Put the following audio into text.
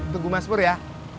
tunggu mas pur ya